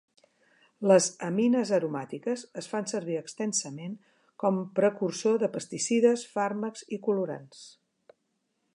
Les amines aromàtiques es fan servir extensament com precursor de pesticides, fàrmacs i colorants.